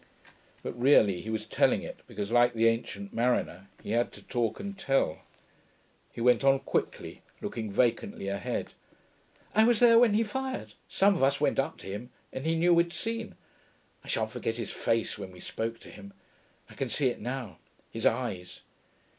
(But really he was telling it because, like the Ancient Mariner, he had to talk and tell.) He went on quickly, looking vacantly ahead, 'I was there when he fired.... Some of us went up to him, and he knew we'd seen.... I shan't forget his face when we spoke to him.... I can see it now ... his eyes....'